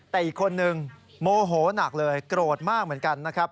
แต่อีกคนนึงโมโหนักเลยโกรธมากเหมือนกันนะครับ